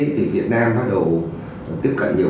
thì việt nam bắt đầu tiếp cận nhiều